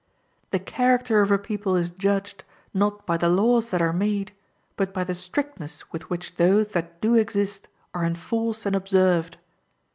The character of a people is judged, not by the laws that are made, but by the strictness with which those that do exist are enforced and observed.